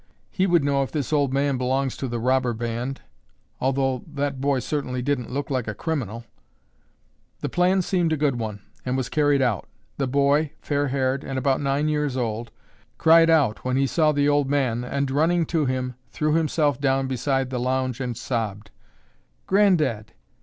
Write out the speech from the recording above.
He would know if this old man belongs to the robber band, although that boy certainly didn't look like a criminal." The plan seemed a good one and was carried out. The boy, fair haired and about nine years old, cried out when he saw the old man and running to him, threw himself down beside the lounge and sobbed, "Granddad!